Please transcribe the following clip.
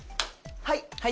はい！